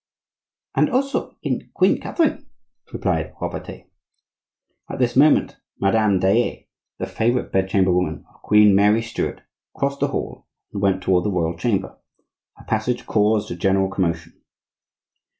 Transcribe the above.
"And also in Queen Catherine," replied Robertet. At this moment Madame Dayelle, the favorite bedchamber woman of Queen Mary Stuart, crossed the hall, and went toward the royal chamber. Her passage caused a general commotion.